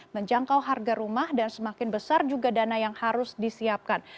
menjangkau harga rumah dan semakin besar juga dana yang harus disiapkan